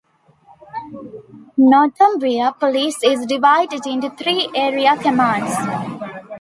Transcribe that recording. Northumbria Police is divided into three Area Commands.